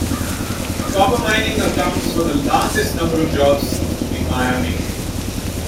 Copper mining accounts for the largest number of jobs in Miami.